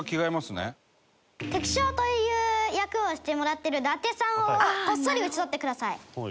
敵将という役をしてもらってる伊達さんをこっそり討ち取ってください。